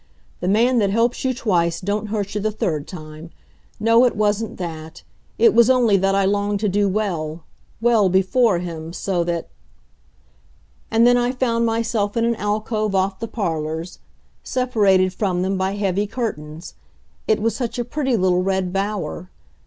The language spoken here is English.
The man that helps you twice don't hurt you the third time. No, it wasn't that; it was only that I longed to do well well before him, so that And then I found myself in an alcove off the parlors, separated from them by heavy curtains. It was such a pretty little red bower.